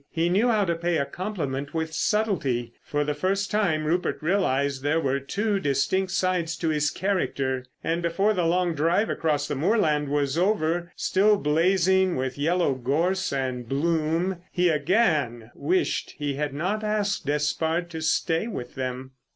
He knew how to pay a compliment with subtlety. For the first time Rupert realised there were two distinct sides to his character. And before the long drive across the moorland was over—still blazing with yellow gorse and bloom—he again wished he had not asked Despard to stay with them.